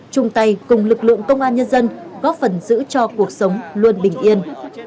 chung tay cùng lực lượng công an nhân dân góp phần giữ cho cuộc sống luôn bình yên